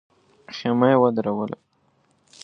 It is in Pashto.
خېمه ودروله.